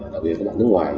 đặc biệt các bạn ở nước ngoài